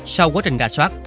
sau quá trình ra soát